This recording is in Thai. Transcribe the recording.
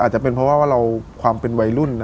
อาจจะเป็นเพราะว่าเราความเป็นวัยรุ่น